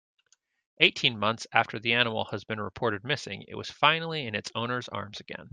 Eighteen months after the animal has been reported missing it was finally in its owner's arms again.